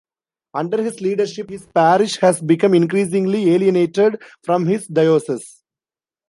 Under his leadership, his parish has become increasingly alienated from his dioces.